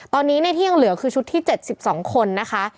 ตอนนี้ที่ยังเหลือคือชุดที่๗๒คนนะคะ